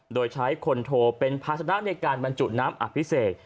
โดยใช้คนโทเป็นภาษณะในการบรรจุน้ำอภิเษก